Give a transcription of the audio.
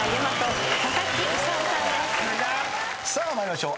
さあ参りましょう。